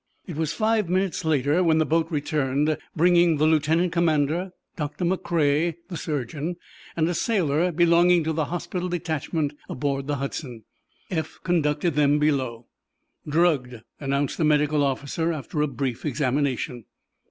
It was five minutes later when the boat returned, bringing the lieutenant commander, Doctor McCrea, the surgeon, and a sailor belonging to the hospital detachment aboard the "Hudson." Eph conducted them below. "Drugged," announced the medical officer, after a brief examination.